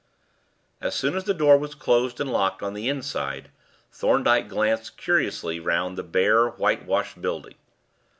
As soon as the door was closed and locked on the inside, Thorndyke glanced curiously round the bare, whitewashed building.